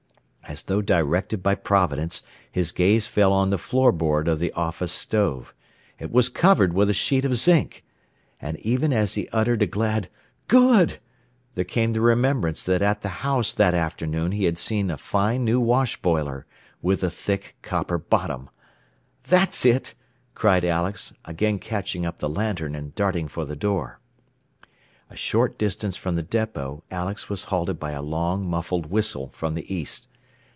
As though directed by Providence, his gaze fell on the floor board of the office stove. It was covered with a sheet of zinc! And even as he uttered a glad "Good!" there came the remembrance that at the house that afternoon he had seen a fine new wash boiler with a thick copper bottom. "That's it," cried Alex, again catching up the lantern and darting for the door. A short distance from the depot Alex was halted by a long, muffled whistle from the east.